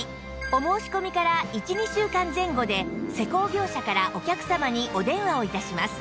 お申し込みから１２週間前後で施工業者からお客様にお電話を致します